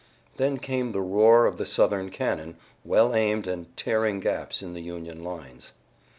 Then came the roar of the Southern cannon, well aimed and tearing gaps in the Union lines.